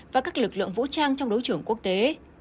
và các lực lượng vũ trang trong đối trưởng quốc tế